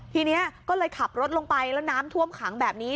ทีนี้ก็เลยขับรถลงไปแล้วน้ำท่วมขังแบบนี้